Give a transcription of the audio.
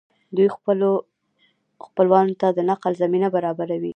دوی خپلو خپلوانو ته د نقل زمینه برابروي